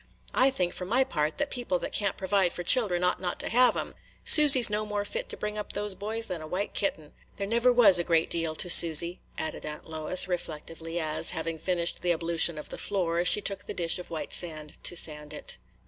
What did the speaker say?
I think, for my part, that people that can't provide for children ought not to have 'em. Susy 's no more fit to bring up those boys than a white kitten. There never was a great deal to Susy," added Aunt Lois, reflectively, as, having finished the ablution of the floor, she took the dish of white sand to sand it.